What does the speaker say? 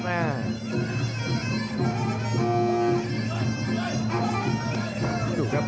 หมดยกที่สองครับ